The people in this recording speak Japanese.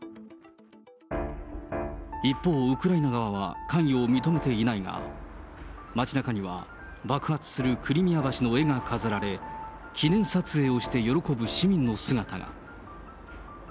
一方、ウクライナ側は関与を認めていないが、街なかには、爆発するクリミア橋の絵が飾られ、記念撮影をして喜ぶ市民の姿が。